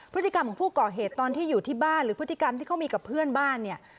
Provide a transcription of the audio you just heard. พฤติกรรมของผู้ก่อเหตุตอนที่อยู่ที่บ้านหรือพฤติกรรมที่เขามีกับเพื่อนบ้านเนี่ย